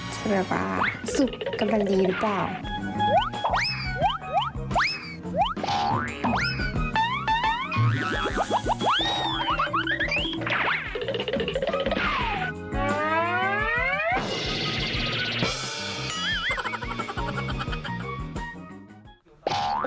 จะแบบว่าสุกกำลังดีหรือเปล่า